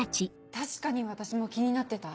確かに私も気になってた。